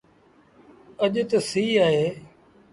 اڄ تا سيٚ اهي